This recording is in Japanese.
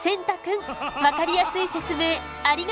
分かりやすい説明ありがとう！